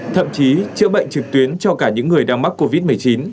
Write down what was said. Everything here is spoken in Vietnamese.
thậm chí chữa bệnh trực tuyến cho cả những người đang mắc covid một mươi chín